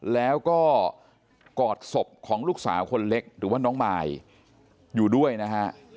แล้วก็กอดศพของลูกสาวคนเล็กหรือว่าน้องมายอยู่ด้วยนะฮะ